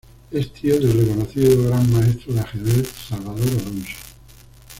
Es tío del reconocido Gran Maestro de ajedrez Salvador Alonso.